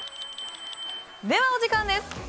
では、お時間です。